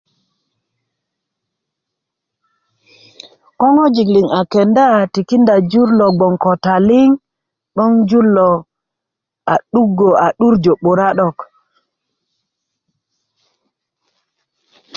ko ŋojik liŋ a kenda tikinda jur lo bgoŋ ko taliŋ 'boŋ jur lo a 'dugö a 'durjö 'bura 'dok